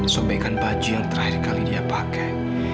sampaikan baju yang terakhir kali dia pakai